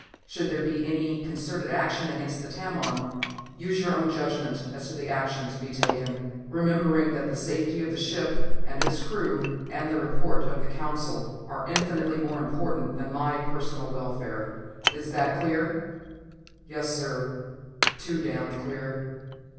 Should there be any concerted action against the Tamon, use your own judgment as to the action to be taken, remembering that the safety of the ship and its crew, and the report of the Council, are infinitely more important than my personal welfare. Is that clear?" "Yes, sir. Too damned clear."